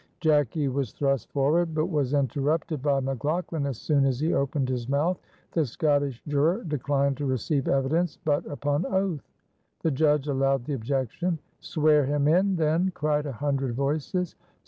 Jacky was thrust forward, but was interrupted by McLaughlan as soon as he opened his mouth. The Scottish juror declined to receive evidence but upon oath. The judge allowed the objection. "Swear him in, then," cried a hundred voices.